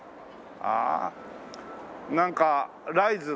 ああなんかライズの。